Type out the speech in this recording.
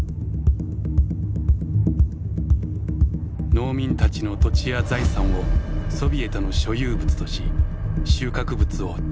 農民たちの土地や財産をソビエトの所有物とし収穫物を徴収した。